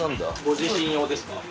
ご自身用ですか？